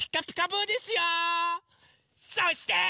そして。